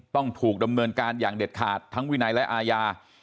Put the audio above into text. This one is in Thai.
ต้องถูกดำเนินการอย่างเด็ดขาดทั้งวินัยและอาญา